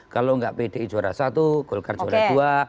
kalau nggak pdi juara satu golkar juara dua